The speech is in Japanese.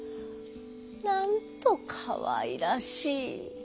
なんとかわいらしい！」。